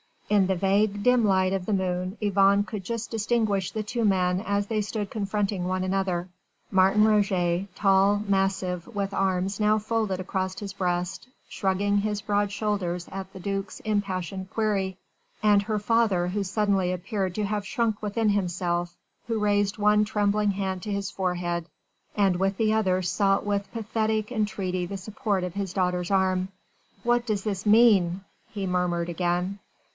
In the vague, dim light of the moon Yvonne could just distinguish the two men as they stood confronting one another. Martin Roget, tall, massive, with arms now folded across his breast, shrugging his broad shoulders at the duc's impassioned query and her father who suddenly appeared to have shrunk within himself, who raised one trembling hand to his forehead and with the other sought with pathetic entreaty the support of his daughter's arm. "What does this mean?" he murmured again.